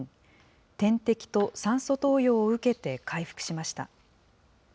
点滴と酸素投与を受けて回復しました。